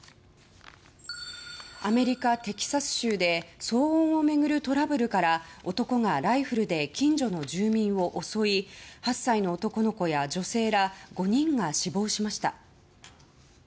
アメリカ・テキサス州で騒音を巡るトラブルから男がライフルで近所の住民を襲い８歳の男の子や女性ら５人が死亡しました。